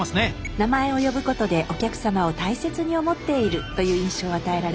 名前を呼ぶことでお客様を大切に思っているという印象を与えられます。